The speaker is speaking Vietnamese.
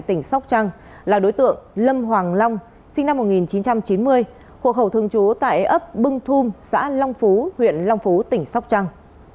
tỉnh sóc trăng là đối tượng lâm hoàng long sinh năm một nghìn chín trăm chín mươi hộ khẩu thường trú tại ấp bưng thum xã long phú huyện long phú tỉnh sóc trăng